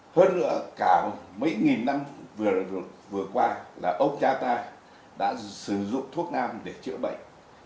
hơn nữa cả mấy nghìn năm vừa qua là ông cha ta đã sử dụng thuốc nam để chữa bệnh